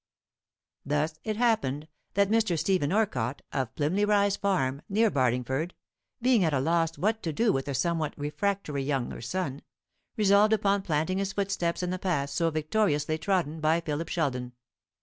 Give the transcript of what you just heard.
Thus it had happened that Mr. Stephen Orcott, of Plymley Rise farm, near Barlingford, being at a loss what to do with a somewhat refractory younger son, resolved upon planting his footsteps in the path so victoriously trodden by Philip Sheldon.